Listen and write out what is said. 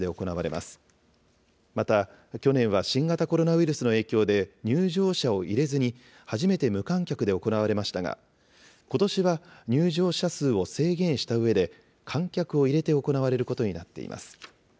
また、去年は新型コロナウイルスの影響で入場者を入れずに、初めて無観客で行われましたが、ことしは入場者数を制限したうえで、観客を入れて行われることになっています。